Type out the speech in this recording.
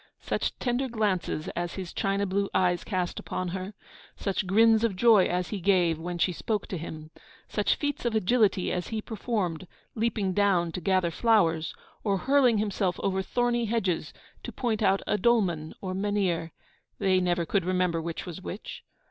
Such tender glances as his China blue eyes cast upon her; such grins of joy as he gave when she spoke to him; such feats of agility as he performed, leaping down to gather flowers, or hurling himself over thorny hedges, to point out a dolmen or a menhir (they never could remember which was which).